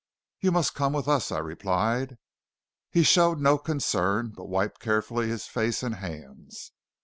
"You must come with us," I replied. He showed no concern, but wiped carefully his face and hands.